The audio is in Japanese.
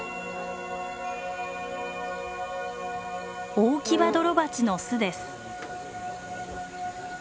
オオキバドロバチの巣です。